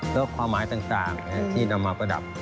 แล้วความหมายต่างที่นำมาประดับ